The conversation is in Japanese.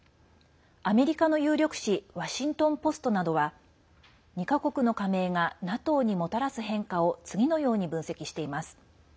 アメリカの有力紙ワシントン・ポストなどは２か国の加盟がＮＡＴＯにもたらす変化を次のように分析しています。